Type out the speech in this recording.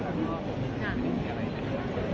เวลาแรกพี่เห็นแวว